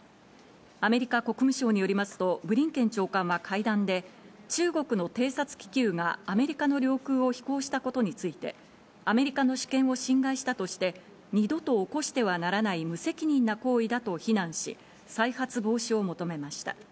アメリカ国務省によりますと、ブリンケン長官は会談で、中国の偵察気球がアメリカの領空を飛行したことについて、アメリカの主権を侵害したとして、二度と起こしてはならない無責任な行為だと非難し、再発防止を求めました。